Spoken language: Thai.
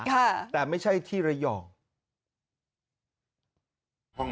แต่ไม่ใช่ที่ระยอง